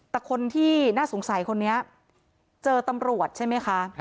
แต่คนที่น่าสงสัยคนนี้เจอตำรวจใช่ไหมคะ